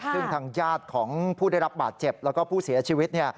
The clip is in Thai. ซึ่งทางญาติของผู้ได้รับบาดเจ็บแล้วก็ผู้เสียชีวิต